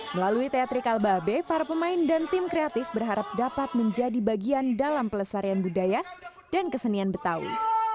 melalui teatri kalbabe para pemain dan tim kreatif berharap dapat menjadi bagian dalam pelestarian budaya dan kesenian betawi